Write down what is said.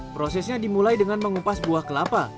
prosesnya dimulai dengan mengupas buah kelapa